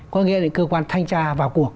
có nghĩa là cơ quan thanh tra vào cuộc